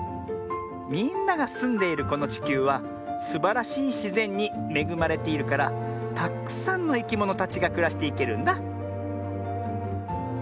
みんながすんでいるこのちきゅうはすばらしいしぜんにめぐまれているからたっくさんのいきものたちがくらしていけるんだ。